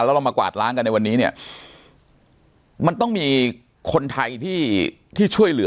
แล้วเรามากวาดล้างกันในวันนี้เนี่ยมันต้องมีคนไทยที่ที่ช่วยเหลือ